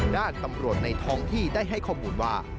ด้านตำรวจในท้องที่ได้ให้ข้อมูลว่า